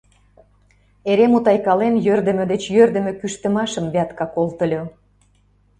Эре мутайкален, йӧрдымӧ деч йӧрдымӧ кӱштымашым Вятка колтыльо.